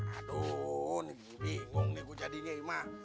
aduh bingung nih gue jadinya imak